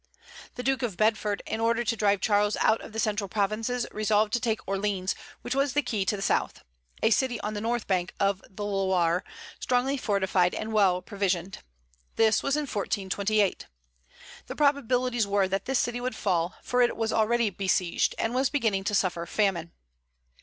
The Duke of Bedford, in order to drive Charles out of the central provinces, resolved to take Orleans, which was the key to the south, a city on the north bank of the Loire, strongly fortified and well provisioned. This was in 1428. The probabilities were that this city would fall, for it was already besieged, and was beginning to suffer famine.